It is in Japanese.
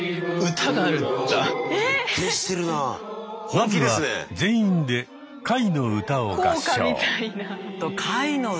まずは全員で「会の歌」を合唱。